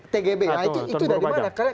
tgb itu dari mana